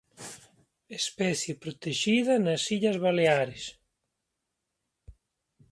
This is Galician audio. Especie protexida nas Illas Baleares.